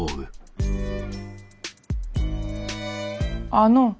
あの。